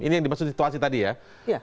ini yang dimaksud situasi tadi ya